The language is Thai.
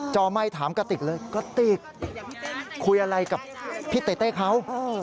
อไมค์ถามกระติกเลยกระติกคุยอะไรกับพี่เต้เต้เขา